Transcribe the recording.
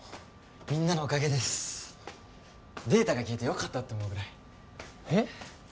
みんなのおかげですデータが消えてよかったって思うぐらいえっ！？